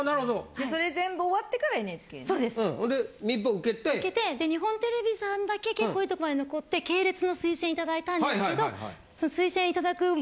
受けて日本テレビさんだけ結構いいとこまで残って系列の推薦頂いたんですけど。